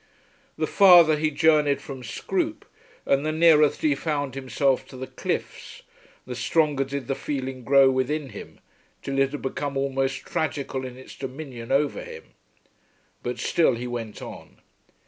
The farther he journeyed from Scroope and the nearer that he found himself to the cliffs the stronger did the feeling grow within him, till it had become almost tragical in its dominion over him. But still he went on.